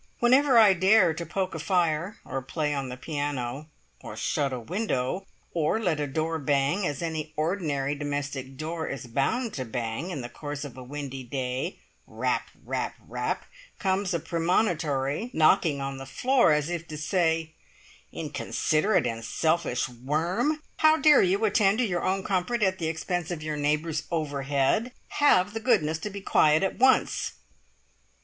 Whenever I dare to poke a fire, or play on the piano, or shut a window, or let a door bang, as any ordinary domestic door is bound to bang in the course of a windy day, rap, rap, rap comes a premonitory knocking on the floor, as if to say, "Inconsiderate and selfish worm! How dare you attend to your own comfort at the expense of your neighbours overhead? Have the goodness to be quiet at once!"